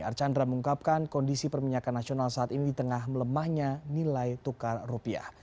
archandra mengungkapkan kondisi perminyakan nasional saat ini di tengah melemahnya nilai tukar rupiah